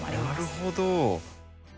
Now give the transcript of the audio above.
なるほど。